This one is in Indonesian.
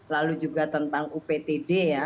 lalu juga tentang uptd ya